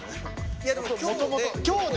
いやでも今日で。